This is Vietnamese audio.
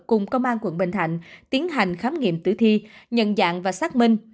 cùng công an quận bình thạnh tiến hành khám nghiệm tử thi nhận dạng và xác minh